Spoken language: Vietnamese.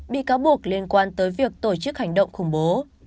bị cáo buộc liên quan tới việc tổ chức hành động khủng bố